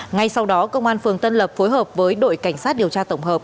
ngay sau đó công an phường tân lập phối hợp với đội cảnh sát điều tra tổng hợp